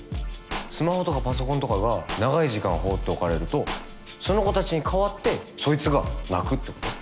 スマホとかパソコンとかが長い時間放っておかれるとその子たちに代わってそいつが鳴くって事？